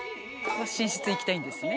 寝室行きたいんですね。